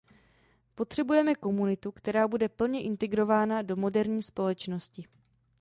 Potřebujeme komunitu, která bude plně integrovaná do moderní společnosti.